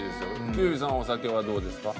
休井さんはお酒はどうですか？